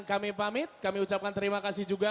kami pamit kami ucapkan terima kasih juga